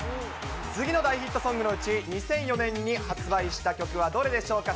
次の大ヒットソングのうち、２００４年に発売した曲はどれでしょうか。